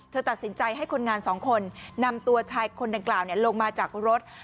ตัดสินใจให้คนงานสองคนนำตัวชายคนดังกล่าวลงมาจากรถ